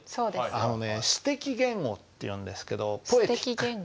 あのね詩的言語っていうんですけどポエティック。